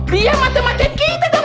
biar mata mata kita dong